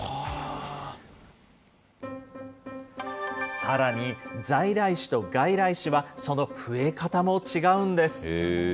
さらに在来種と外来種は、その増え方も違うんです。